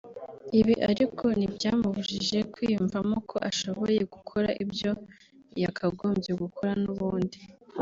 Ibi ariko ntibyamubujije kwiyumvamo ko ashoboye gukora ibyo yakagombye gukora n’ubundi